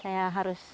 saya harus bisa gitu